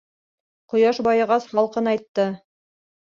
Ҡояш байығас, һалҡынайтты.